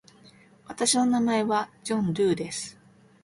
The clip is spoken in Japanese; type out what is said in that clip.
私の名前はジョン・ドゥーです。